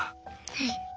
はい。